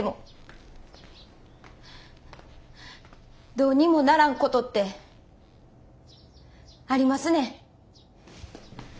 どうにもならんことってありますねん。